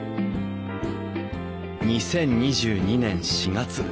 ２０２２年４月。